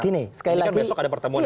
ini kan besok ada pertemuan